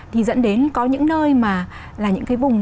thì dẫn đến có những nơi mà là những cái vùng